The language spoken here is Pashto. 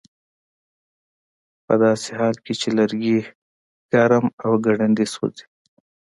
ه داسې حال کې چې لرګي ګرم او ګړندي سوځي